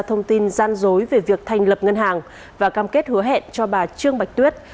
thông tin gian dối về việc thành lập ngân hàng và cam kết hứa hẹn cho bà trương bạch tuyết